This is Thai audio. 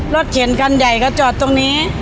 เขียนคันใหญ่ก็จอดตรงนี้